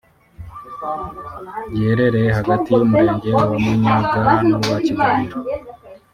giherereye hagati y’Umurenge wa Munyaga n’uwa Kigabiro